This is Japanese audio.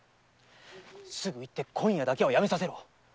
すぐ行って今夜だけはやめさせろ。